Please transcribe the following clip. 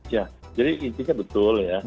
ya jadi intinya betul ya